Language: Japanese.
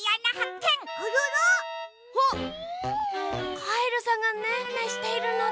あっカエルさんがねんねしているのだ。